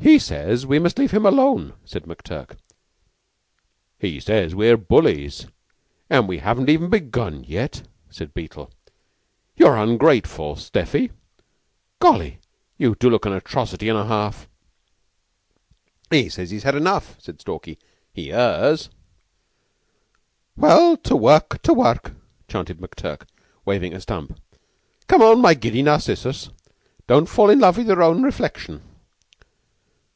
"He says we must leave him alone," said McTurk. "He says we are bullies, an' we haven't even begun yet," said Beetle. "You're ungrateful, Seffy. Golly! You do look an atrocity and a half!" "He says he has had enough," said Stalky. "He errs!" "Well, to work, to work!" chanted McTurk, waving a stump. "Come on, my giddy Narcissus. Don't fall in love with your own reflection!"